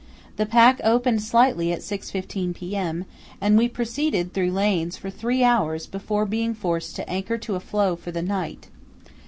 The pack opened slightly at 6.15 p.m., and we proceeded through lanes for three hours before being forced to anchor to a floe for the night.